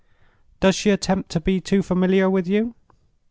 Does she attempt to be too familiar with you?